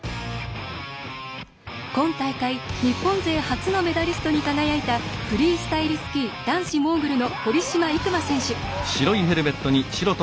今大会、日本勢初のメダリストに輝いたフリースタイルスキー男子モーグルの堀島行真選手。